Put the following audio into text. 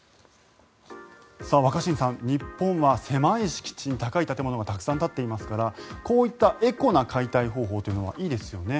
若新さん、日本は狭い敷地に高い建物がたくさん立っていますからこういったエコな解体方法はいいですよね。